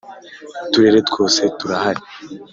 Uturere twose turahari.